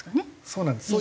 そうなんです。